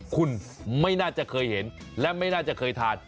คุณไม่น่าจะเคยเห็นและไม่น่าจะเคยทาน